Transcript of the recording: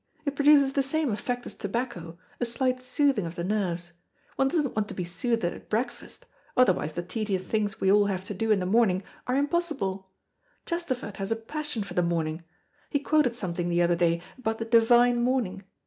It produces the same effect as tobacco, a slight soothing of the nerves. One doesn't want to be soothed at breakfast, otherwise the tedious things we all have to do in the morning are impossible. Chesterford has a passion for the morning. He quoted something the other day about the divine morning.